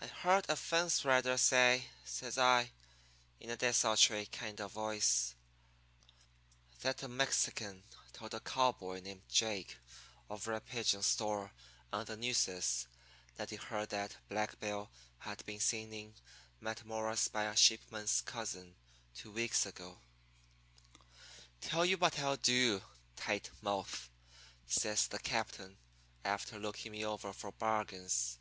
"'I heard a fence rider say,' says I, in a desultory kind of voice, 'that a Mexican told a cowboy named Jake over at Pidgin's store on the Nueces that he heard that Black Bill had been seen in Matamoras by a sheepman's cousin two weeks ago.' "'Tell you what I'll do, Tight Mouth,' says the captain, after looking me over for bargains.